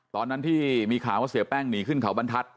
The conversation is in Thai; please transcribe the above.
ตอนนั้นที่มีข่าวว่าเสียแป้งหนีขึ้นเขาบรรทัศน